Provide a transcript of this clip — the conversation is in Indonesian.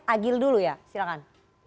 agil dulu ya silahkan